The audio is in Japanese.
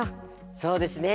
そうですね。